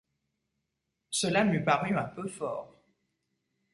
Cela m’eût paru un peu fort.